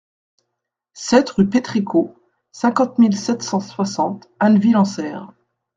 sept rue Pétricot, cinquante mille sept cent soixante Anneville-en-Saire